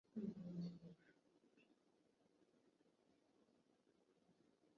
主要服务于和什托洛盖煤田原煤外运。